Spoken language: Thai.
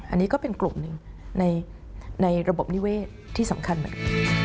อันนี้ก็เป็นกลุ่มหนึ่งในระบบนิเวศที่สำคัญเหมือนกัน